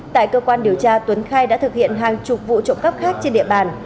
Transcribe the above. tại cơ quan điều tra tuấn khai đã thực hiện hàng chục vụ trộm cắp khác trên địa bàn